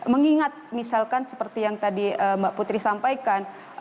mengingat misalkan seperti yang tadi mbak putri sampaikan